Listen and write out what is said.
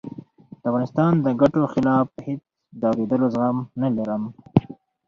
د افغانستان د ګټو خلاف هېڅ د آورېدلو زغم نه لرم